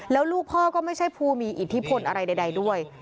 แล้วลูกพ่อก็ไม่ใช่ผู้มีอิทธิพลอะไรใดด้วย